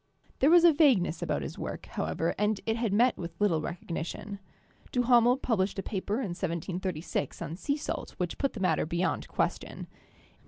There was a vagueness about his work, however, and it had met with little recognition. Duhamel published a paper in 1736 on sea salt which put the matter beyond question.